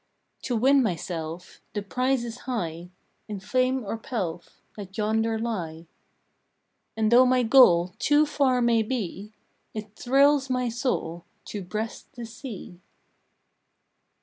To win myself The prizes high In fame or pelf That yonder lie; And tho my goal Too far may be, It thrills my soul To breast the sea!